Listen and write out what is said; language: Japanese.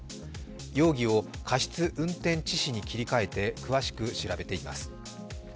容疑を過失運転致死に切り替えて詳しく調べています。